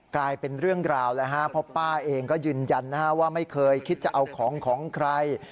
กลายเป็นเรื่องราวแล้วฮะเพราะป้าเองก็ยืนยันนะฮะว่าไม่เคยคิดจะเอาของของใคร